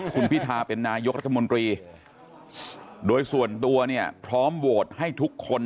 คุณพิธาเป็นนายกรัฐมนตรีโดยส่วนตัวเนี่ยพร้อมโหวตให้ทุกคน